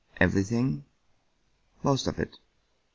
"Everything?" " Most of it."